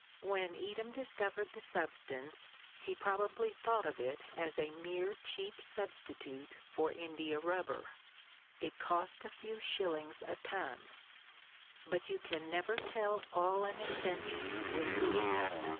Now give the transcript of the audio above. When Eadham discovered the substance, he probably thought of it as a mere cheap substitute for india rubber; it cost a few shillings a ton. But you can never tell all an invention will do.